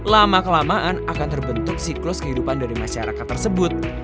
lama kelamaan akan terbentuk siklus kehidupan dari masyarakat tersebut